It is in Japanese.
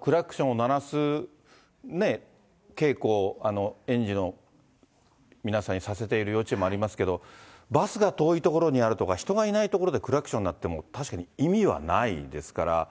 クラクションを鳴らす稽古、園児の皆さんにさせている幼稚園もありますけれども、バスが遠い所にあるとか、人がいない所でクラクション鳴っても、確かに意味はないですから。